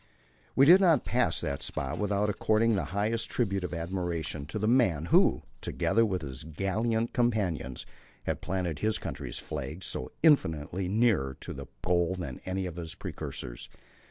We did not pass that spot without according our highest tribute of admiration to the man, who together with his gallant companions had planted his country's flag so infinitely nearer to the goal than any of his precursors.